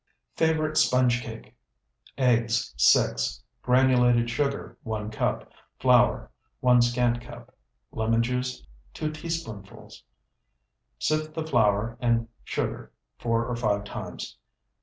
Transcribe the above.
FAVORITE SPONGE CAKE Eggs, 6. Granulated sugar, 1 cup. Flour, 1 scant cup. Lemon juice, 2 teaspoonfuls. Sift the flour and sugar four or five times.